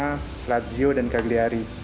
dan juga dengan lazio dan cagliari